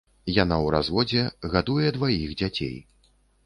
Яна ў разводзе, гадуе дваіх дзяцей.